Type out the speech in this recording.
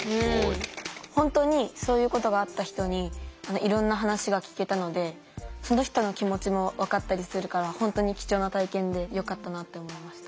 本当にそういうことがあった人にいろんな話が聞けたのでその人の気持ちも分かったりするから本当に貴重な体験でよかったなって思いました。